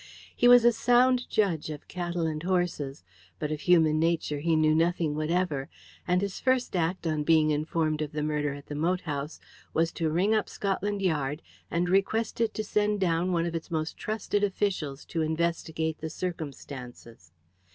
He was a sound judge of cattle and horses, but of human nature he knew nothing whatever, and his first act, on being informed of the murder at the moat house, was to ring up Scotland Yard and request it to send down one of its most trusted officials to investigate the circumstances.